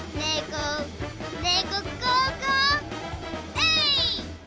えい！